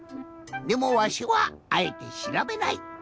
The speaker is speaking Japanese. でもわしはあえてしらべない。